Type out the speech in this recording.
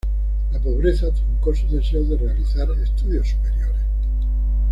La pobreza truncó sus deseos de realizar estudios superiores.